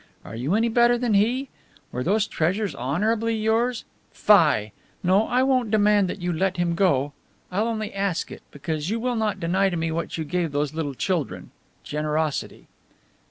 Are you any better than he? Were those treasures honourably yours? Fie! No, I won't demand that you let him go; I'll only ask it. Because you will not deny to me what you gave to those little children generosity."